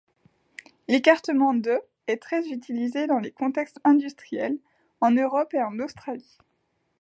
L'écartement de est très utilisé dans les contextes industriels, en Europe et en Australie.